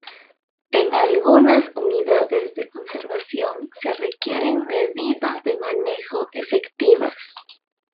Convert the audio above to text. En algunas unidades de conservación se requieren medidas de manejo efectivas.